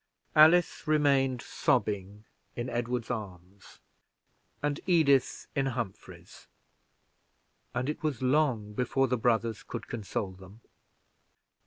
Alice remained sobbing in Edward's arms, and Edith in Humphrey's, and it was long before the brothers could console them.